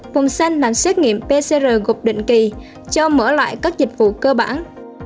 vòng xanh làm xét nghiệm pcr gột định kỳ cho mở lại các dịch vụ cơ bản